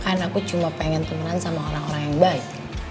kan aku cuma pengen temenan sama orang orang yang baik